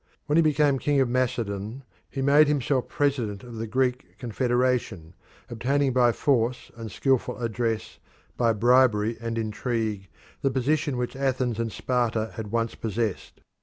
When he became king of Macedon, he made himself president of the Greek confederation, obtaining by force and skilful address, by bribery and intrigue, the position which Athens and Sparta had once possessed.